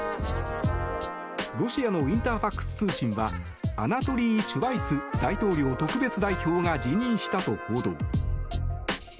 ロシアのインタファクス通信はアナトリー・チュバイス大統領特別代表が辞任したと報道。